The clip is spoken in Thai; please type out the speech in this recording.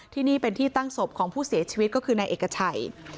ที่นี่เป็นที่ตั้งศพของผู้เสียชีวิตก็คือนายเอกชัย